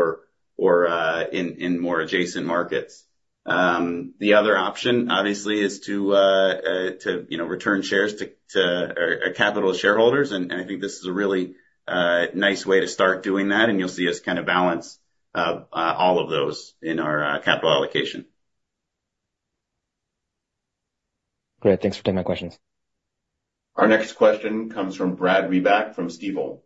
or in more adjacent markets. The other option, obviously, is to return shares to capital shareholders. I think this is a really nice way to start doing that. You'll see us kind of balance all of those in our capital allocation. Great. Thanks for taking my questions. Our next question comes from Brad Reback from Stifel.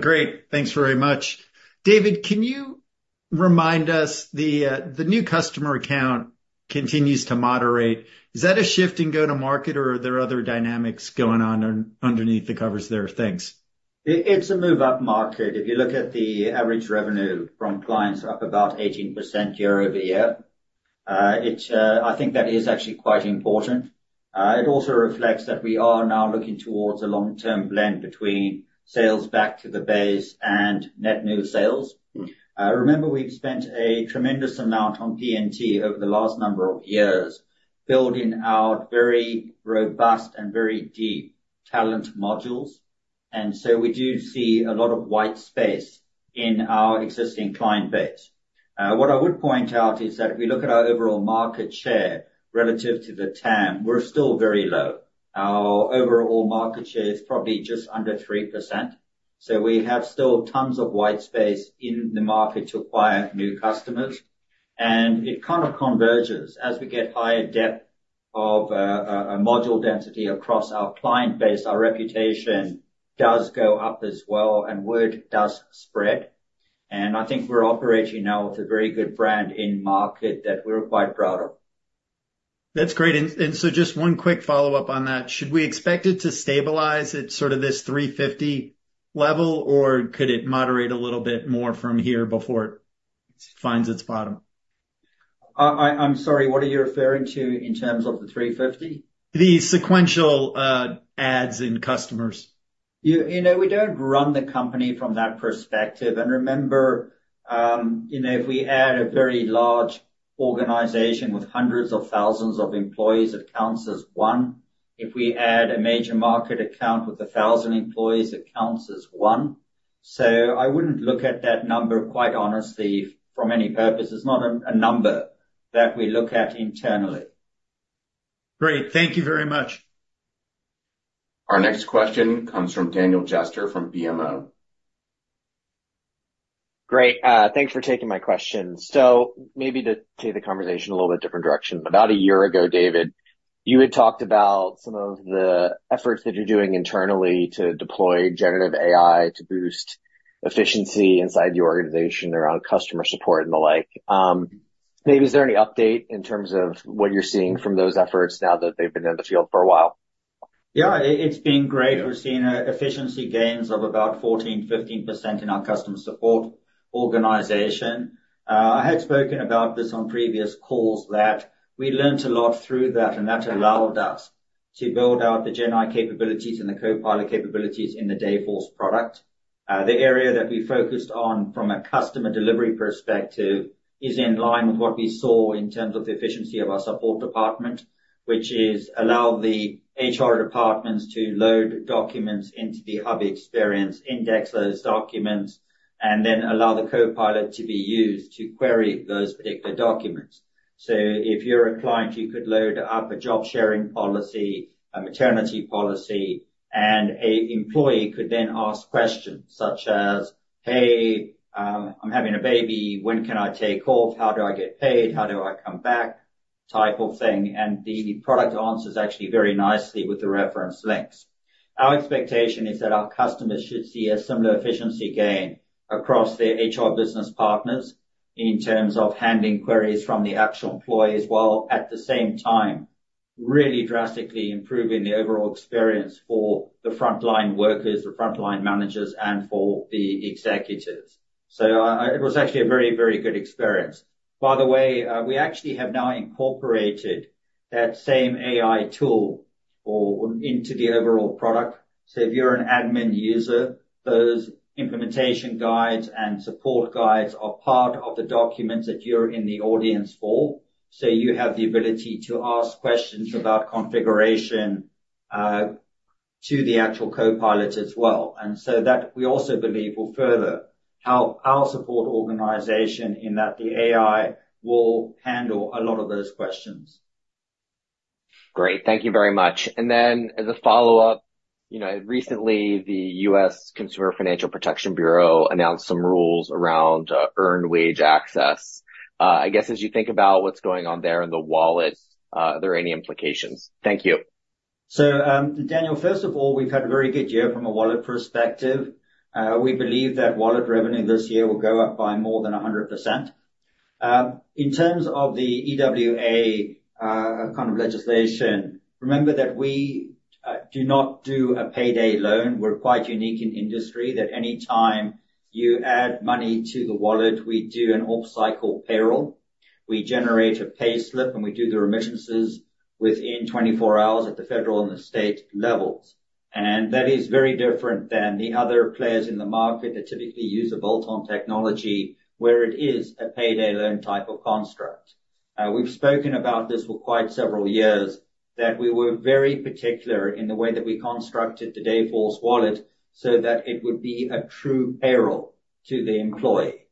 Great. Thanks very much. David, can you remind us the new customer account continues to moderate. Is that a shift in go-to-market, or are there other dynamics going on underneath the covers there? Thanks. It's a move-up market. If you look at the average revenue from clients, up about 18% year-over-year, I think that is actually quite important. It also reflects that we are now looking towards a long-term blend between sales back to the base and net new sales. Remember, we've spent a tremendous amount on P&T over the last number of years building out very robust and very deep talent modules. And so we do see a lot of white space in our existing client base. What I would point out is that if we look at our overall market share relative to the TAM, we're still very low. Our overall market share is probably just under 3%. So we have still tons of white space in the market to acquire new customers. And it kind of converges as we get higher depth of module density across our client base. Our reputation does go up as well, and word does spread. I think we're operating now with a very good brand in market that we're quite proud of. That's great. Just one quick follow-up on that. Should we expect it to stabilize at sort of this 350 level, or could it moderate a little bit more from here before it finds its bottom? I'm sorry, what are you referring to in terms of the 350? The sequential adds in customers. We don't run the company from that perspective. Remember, if we add a very large organization with hundreds of thousands of employees, it counts as one. If we add a major market account with 1,000 employees, it counts as one. I wouldn't look at that number quite honestly from any purpose. It's not a number that we look at internally. Great. Thank you very much. Our next question comes from Daniel Jester from BMO. Great. Thanks for taking my question. So maybe to take the conversation a little bit different direction. About a year ago, David, you had talked about some of the efforts that you're doing internally to deploy generative AI to boost efficiency inside the organization around customer support and the like. Maybe is there any update in terms of what you're seeing from those efforts now that they've been in the field for a while? Yeah. It's been great. We're seeing efficiency gains of about 14%-15% in our customer support organization. I had spoken about this on previous calls that we learned a lot through that, and that allowed us to build out the GenAI capabilities and the Copilot capabilities in the Dayforce product. The area that we focused on from a customer delivery perspective is in line with what we saw in terms of the efficiency of our support department, which is allow the HR departments to load documents into the hub experience, index those documents, and then allow the Copilot to be used to query those particular documents. So if you're a client, you could load up a job sharing policy, a maternity policy, and an employee could then ask questions such as, "Hey, I'm having a baby. When can I take off? How do I get paid? “How do I come back?” type of thing. And the product answers actually very nicely with the reference links. Our expectation is that our customers should see a similar efficiency gain across their HR business partners in terms of handling queries from the actual employees while at the same time really drastically improving the overall experience for the frontline workers, the frontline managers, and for the executives. So it was actually a very, very good experience. By the way, we actually have now incorporated that same AI tool into the overall product. So if you're an admin user, those implementation guides and support guides are part of the documents that you're in the audience for. So you have the ability to ask questions about configuration to the actual Copilot as well. And so that we also believe will further help our support organization in that the AI will handle a lot of those questions. Great. Thank you very much. Then as a follow-up, recently, the U.S. Consumer Financial Protection Bureau announced some rules around earned wage access. I guess as you think about what's going on there in the wallet, are there any implications? Thank you. So Daniel, first of all, we've had a very good year from a wallet perspective. We believe that wallet revenue this year will go up by more than 100%. In terms of the EWA kind of legislation, remember that we do not do a payday loan. We're quite unique in industry that any time you add money to the wallet, we do an off-cycle payroll. We generate a pay slip, and we do the remittances within 24 hours at the federal and the state levels. And that is very different than the other players in the market that typically use a bolt-on technology where it is a payday loan type of construct. We've spoken about this for quite several years that we were very particular in the way that we constructed the Dayforce Wallet so that it would be a true payroll to the employee.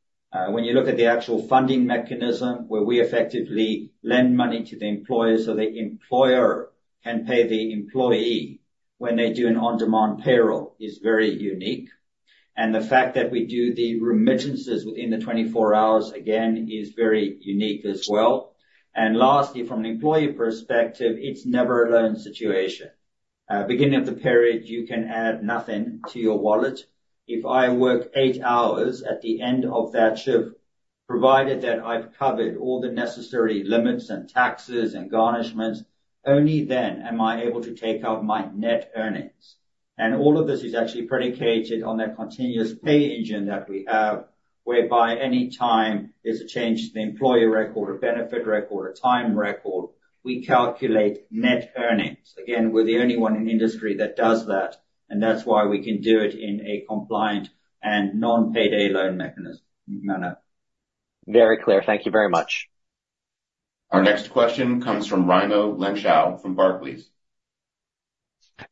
When you look at the actual funding mechanism where we effectively lend money to the employer so the employer can pay the employee when they do an on-demand payroll, is very unique. And the fact that we do the remittances within 24 hours, again, is very unique as well. And lastly, from an employee perspective, it's never a loan situation. Beginning of the period, you can add nothing to your wallet. If I work 8 hours at the end of that shift, provided that I've covered all the necessary limits and taxes and garnishments, only then am I able to take out my net earnings. And all of this is actually predicated on that continuous pay engine that we have whereby any time there's a change to the employee record, a benefit record, a time record, we calculate net earnings. Again, we're the only one in industry that does that. That's why we can do it in a compliant and non-payday loan mechanism manner. Very clear. Thank you very much. Our next question comes from Raimo Lenschow from Barclays.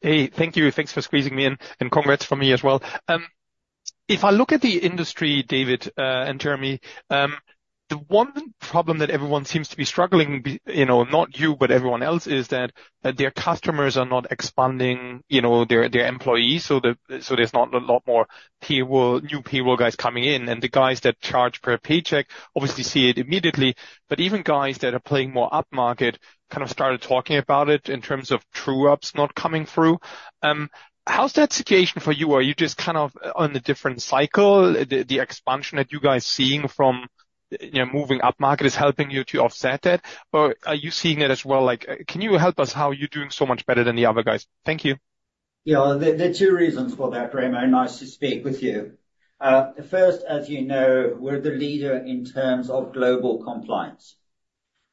Hey, thank you. Thanks for squeezing me in. And congrats from me as well. If I look at the industry, David and Jeremy, the one problem that everyone seems to be struggling, not you, but everyone else, is that their customers are not expanding their employees. So there's not a lot more new payroll guys coming in. And the guys that charge per paycheck obviously see it immediately. But even guys that are playing more up-market kind of started talking about it in terms of true-ups not coming through. How's that situation for you? Are you just kind of on a different cycle? The expansion that you guys are seeing from moving up-market is helping you to offset that? Or are you seeing it as well? Can you help us how you're doing so much better than the other guys? Thank you. Yeah. There are two reasons for that, Raimo. It's nice to speak with you. First, as you know, we're the leader in terms of global compliance.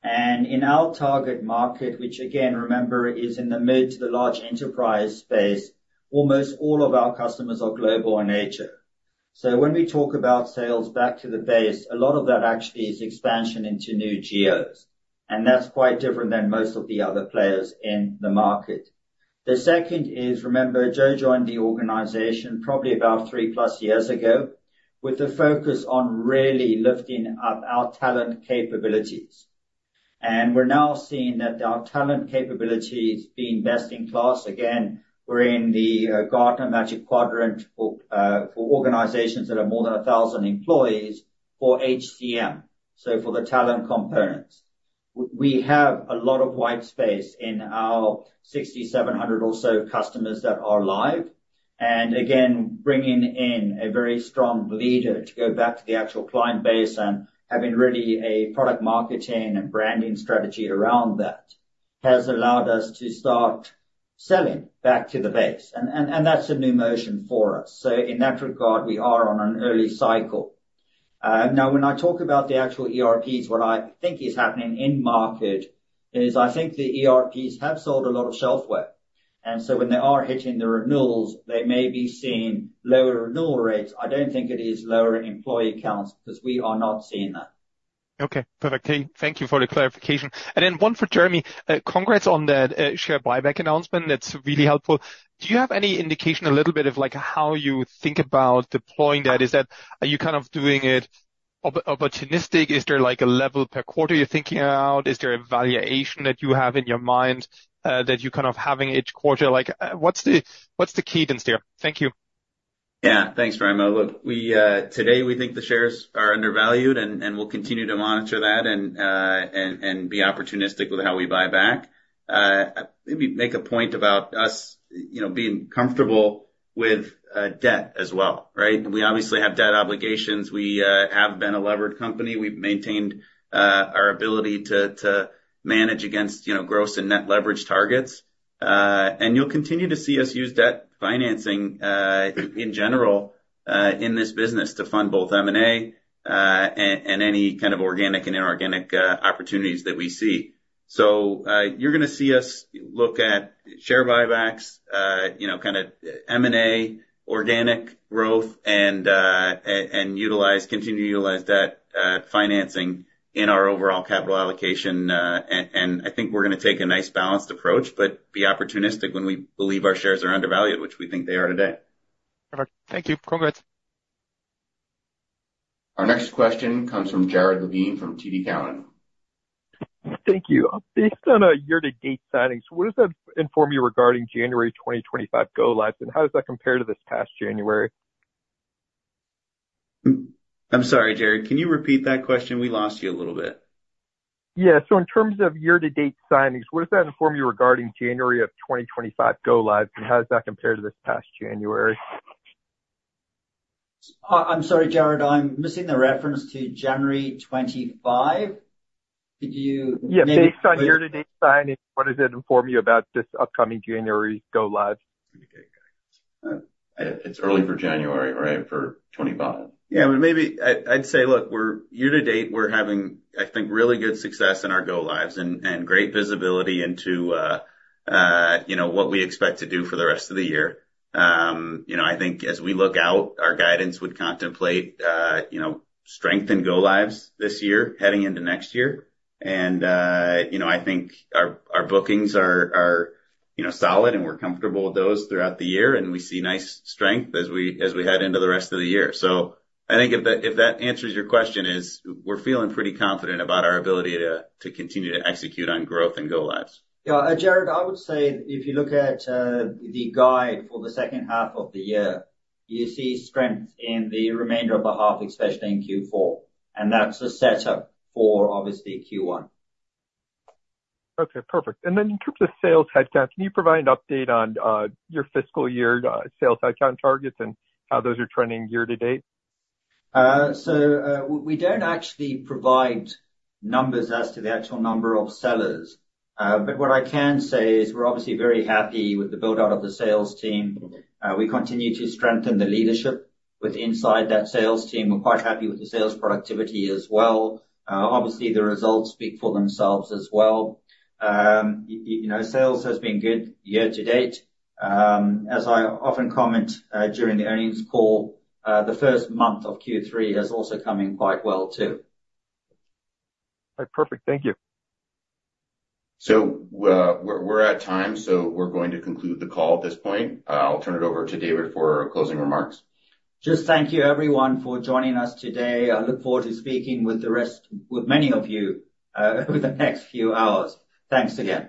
And in our target market, which, again, remember, is in the mid- to the large enterprise space, almost all of our customers are global in nature. So when we talk about sales back to the base, a lot of that actually is expansion into new geos. And that's quite different than most of the other players in the market. The second is, remember, Joe joined the organization probably about 3+ years ago with the focus on really lifting up our talent capabilities. And we're now seeing that our talent capabilities being best in class. Again, we're in the Gartner Magic Quadrant for organizations that are more than 1,000 employees for HCM, so for the talent components. We have a lot of white space in our 6,700 or so customers that are live. And again, bringing in a very strong leader to go back to the actual client base and having really a product marketing and branding strategy around that has allowed us to start selling back to the base. And that's a new motion for us. So in that regard, we are on an early cycle. Now, when I talk about the actual ERPs, what I think is happening in market is I think the ERPs have sold a lot of shelfware. And so when they are hitting the renewals, they may be seeing lower renewal rates. I don't think it is lower employee counts because we are not seeing that. Okay. Perfect. Thank you for the clarification. And then one for Jeremy. Congrats on that share buyback announcement. That's really helpful. Do you have any indication a little bit of how you think about deploying that? Is that are you kind of doing it opportunistic? Is there a level per quarter you're thinking about? Is there a valuation that you have in your mind that you're kind of having each quarter? What's the cadence there? Thank you. Yeah. Thanks, Raimo. Look, today we think the shares are undervalued, and we'll continue to monitor that and be opportunistic with how we buy back. Maybe make a point about us being comfortable with debt as well. We obviously have debt obligations. We have been a levered company. We've maintained our ability to manage against gross and net leverage targets. And you'll continue to see us use debt financing in general in this business to fund both M&A and any kind of organic and inorganic opportunities that we see. So you're going to see us look at share buybacks, kind of M&A, organic growth, and continue to utilize debt financing in our overall capital allocation. And I think we're going to take a nice balanced approach, but be opportunistic when we believe our shares are undervalued, which we think they are today. Perfect. Thank you. Congrats. Our next question comes from Jared Levine from TD Cowen. Thank you. Based on a year-to-date signings, what does that inform you regarding January 2025 go-lives? And how does that compare to this past January? I'm sorry, Jared. Can you repeat that question? We lost you a little bit. Yeah. So in terms of year-to-date signings, what does that inform you regarding January of 2025 go-lives? And how does that compare to this past January? I'm sorry, Jared. I'm missing the reference to January 25. Could you make that? Yeah. Based on year-to-date signings, what does it inform you about this upcoming January's go-lives? It's early for January, right, for 2025. Yeah. I'd say, look, year-to-date, we're having, I think, really good success in our go-lives and great visibility into what we expect to do for the rest of the year. I think as we look out, our guidance would contemplate strengthen go-lives this year heading into next year. And I think our bookings are solid, and we're comfortable with those throughout the year. And we see nice strength as we head into the rest of the year. So I think if that answers your question, we're feeling pretty confident about our ability to continue to execute on growth and go-lives. Yeah. Jared, I would say if you look at the guide for the second half of the year, you see strength in the remainder of the half, especially in Q4. And that's a setup for, obviously, Q1. Okay. Perfect. And then in terms of sales headcount, can you provide an update on your fiscal year sales headcount targets and how those are trending year-to-date? So we don't actually provide numbers as to the actual number of sellers. But what I can say is we're obviously very happy with the build-out of the sales team. We continue to strengthen the leadership within that sales team. We're quite happy with the sales productivity as well. Obviously, the results speak for themselves as well. Sales has been good year-to-date. As I often comment during the earnings call, the first month of Q3 has also come in quite well too. Perfect. Thank you. We're at time. We're going to conclude the call at this point. I'll turn it over to David for closing remarks. Just thank you, everyone, for joining us today. I look forward to speaking with many of you over the next few hours. Thanks again.